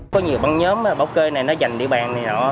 có nhiều ban nhóm báo kê này nó giành địa bàn này họ